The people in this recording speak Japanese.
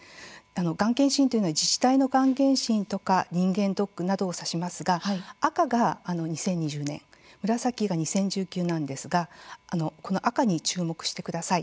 がん検診というのは自治体のがん検診とか人間ドックなどを指しますが赤が２０２０年紫が２０１９年なんですが赤に注目してください。